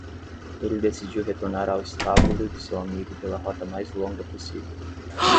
Ele decidiu retornar ao estábulo de seu amigo pela rota mais longa possível.